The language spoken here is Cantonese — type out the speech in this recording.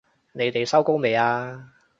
你哋收工未啊？